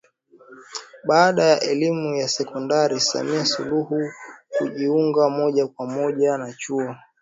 Baada ya elimu ya Sekondari Samia Suluhu hakujinga moja kwa moja na Chuo